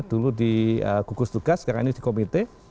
dulu di gugus tugas karena ini di komite